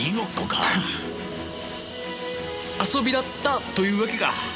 遊びだったというわけか。